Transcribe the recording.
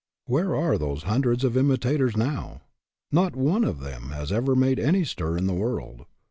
Where are those hundreds of imitators now? Not one of them has ever made any stir in the world.